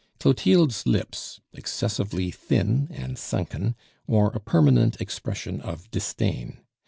Clotilde's lips, excessively thin and sunken, wore a permanent expression of disdain.